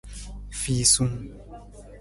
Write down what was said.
Fiisung.